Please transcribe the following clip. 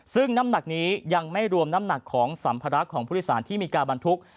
ซึ่งน้ำหนักนี้ยังไม่รวมน้ำหนักของสัมภาระของผู้โดยสารที่มีการบรรทุก